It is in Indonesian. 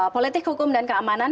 politik hukum dan keamanan